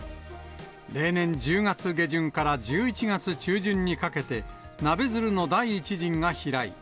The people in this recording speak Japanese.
例年１０月下旬から１１月中旬にかけて、ナベヅルの第一陣が飛来。